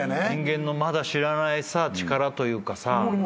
人間のまだ知らない力というかさ。